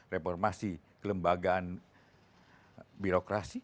reformasi kelembagaan birokrasi